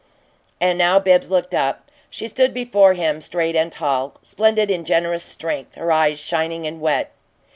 And now Bibbs looked up. She stood before him, straight and tall, splendid in generous strength, her eyes shining and wet.